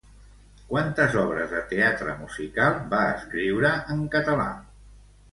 Quantes obres de teatre musical va escriure en català?